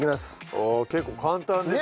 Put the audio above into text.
ああ結構簡単ですね。